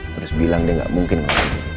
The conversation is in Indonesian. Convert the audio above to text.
terus bilang dia enggak mungkin nanti